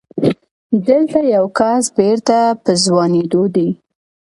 دلته يو کس بېرته په ځوانېدو دی.